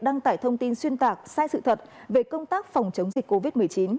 đăng tải thông tin xuyên tạc sai sự thật về công tác phòng chống dịch covid một mươi chín